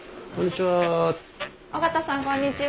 こんにちは。